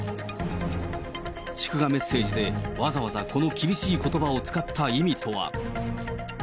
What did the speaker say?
祝賀メッセージで、わざわざこの厳しいことばを使った意味とは。